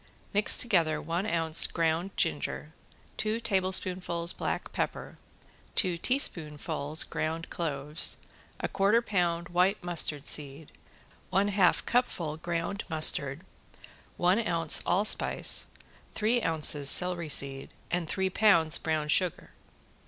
Mix together one ounce ground ginger, two tablespoonfuls black pepper, two teaspoonfuls ground cloves, a quarter pound white mustard seed, one half cupful ground mustard, one ounce allspice, three ounces celery seed and three pounds brown sugar.